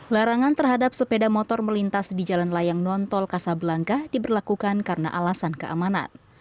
larangan terhadap sepeda motor melintas di jalan layang nontol kasablangka diberlakukan karena alasan keamanan